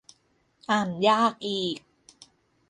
อ่านยากอีก